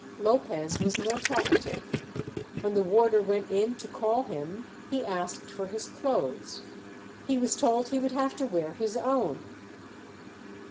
Lopez was more talkative. When the warder went in to call him he asked for his clothes. He was told he would have to wear his own.